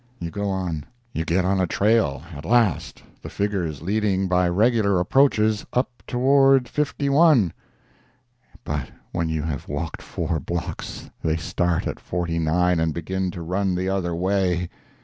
You go on. You get on a trail, at last, the figures leading by regular approaches up toward 51—but when you have walked four blocks they start at 49 and begin to run the other way!